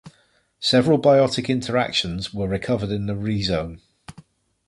Several biotic interactions were recovered on the rhizome.